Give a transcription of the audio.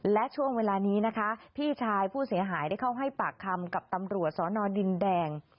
และช่วงเวลานี้นะคะพี่ชายผู้เสียหายได้เข้าให้ปากคำกับตำรวจสอนอดินแดง